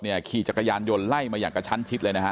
ขี่จักรยานยนต์ไล่มาอย่างกระชั้นชิดเลยนะฮะ